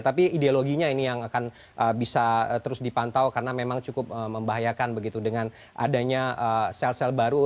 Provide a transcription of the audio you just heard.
tapi ideologinya ini yang akan bisa terus dipantau karena memang cukup membahayakan begitu dengan adanya sel sel baru